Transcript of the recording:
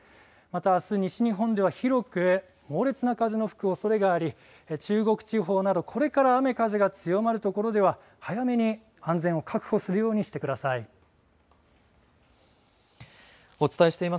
また、あす西日本では広く猛烈な風の吹くおそれがあり中国地方などこれから雨風が強まる所では早めに安全を確保するようにしてください。